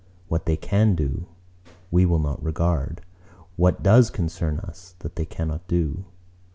What they can do, we will not regard: what does concern us, that they cannot do.